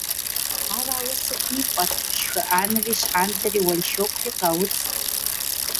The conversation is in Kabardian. Ар ауэ сытми пӀэт, шхыӀэнри, щхьэнтэри, уэншэкури къауцт.